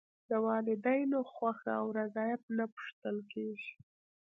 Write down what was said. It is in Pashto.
د والدینو خوښه او رضایت نه پوښتل کېږي.